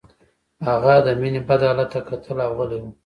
هغه د مينې بد حالت ته کتل او غلی و